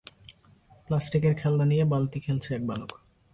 প্লাস্টিকের খেলনা নিয়ে বালিতে খেলছে এক বালক।